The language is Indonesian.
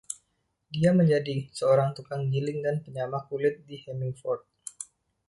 Dia menjadi seorang tukang giling dan penyamak kulit di Hemmingford.